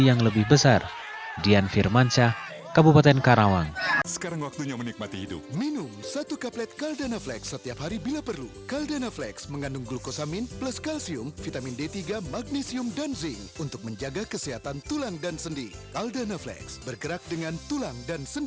yang lebih besar dian firmanca kabupaten karawang